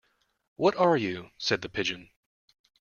What are you?’ said the Pigeon.